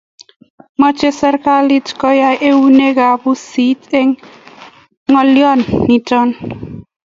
mache serikalit koyae eunek ab pusit eng ngalyo nitok